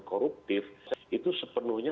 koruptif itu sepenuhnya